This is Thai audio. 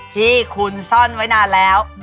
ที่คุณซ่อนไว้นานแล้ว